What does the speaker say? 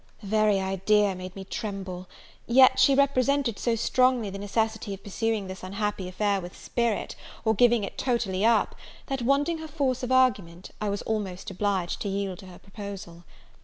The very idea made me tremble; yet she represented so strongly the necessity of pursuing this unhappy affair with spirit, or giving it totally up, that, wanting her force of argument, I was almost obliged to yield to her proposal.